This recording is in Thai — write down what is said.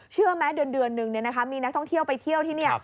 เชื่อไหมเดือนนึงมีนักท่องเที่ยวไปเที่ยวที่นี่